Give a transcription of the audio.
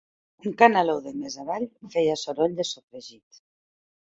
Un canaló de més avall feia soroll de sofregit.